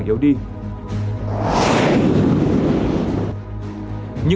nghiệp th silly gì hết